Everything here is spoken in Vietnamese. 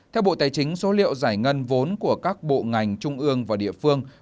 theo bộ tài chính số liệu giải ngân vốn của các bộ ngành trung ương và địa phương